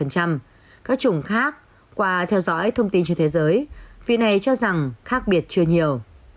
các chủng khác qua theo dõi thông tin trên thế giới vì này cho rằng khác biệt chưa nhiều